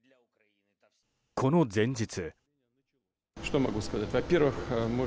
この前日。